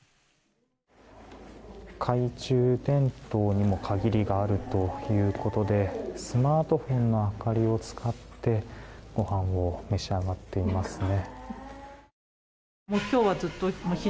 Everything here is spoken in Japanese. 懐中電灯にも限りがあるということでスマートフォンの明かりを使ってごはんを召し上がっていますね。